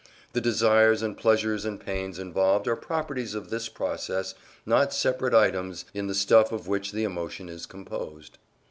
The desires and pleasures and pains involved are properties of this process, not separate items in the stuff of which the emotion is composed.